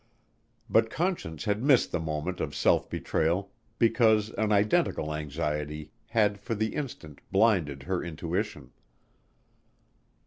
But Conscience had missed the moment of self betrayal because an identical anxiety had for the instant blinded her intuition.